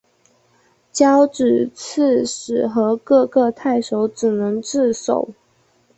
交址刺史和各个太守只能自守。